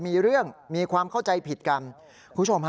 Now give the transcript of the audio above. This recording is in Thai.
โมแรกก็มีความเข้าใจผิดกัน